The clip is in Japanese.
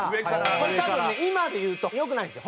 これ多分ね今でいうと良くないんですよ。